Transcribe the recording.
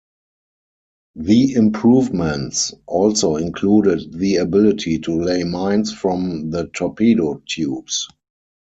The improvements also included the ability to lay mines from the torpedo tubes.